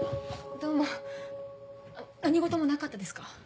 どうも何事もなかったですか？